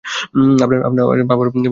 আপনার বাবার বয়সী হবে।